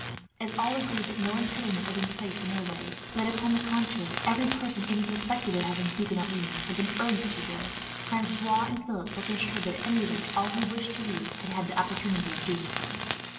As all agreed that no impediment had been placed in their way, but that upon the contrary, every person even suspected as having Huguenot leanings had been urged to go, Francois and Philip felt assured that, at any rate, all who wished to leave had had the opportunity of doing so.